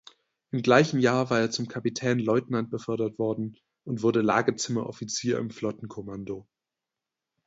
Im gleichen Jahr war er zum Kapitänleutnant befördert worden und wurde Lagezimmeroffizier im Flottenkommando.